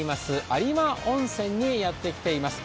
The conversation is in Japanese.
有馬温泉にやってきています。